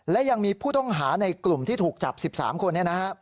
และยังมีผู้ต้องหาในกลุ่มที่ถูกจับ๑๓คนนี้นะฮะ